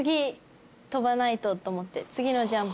次のジャンプ。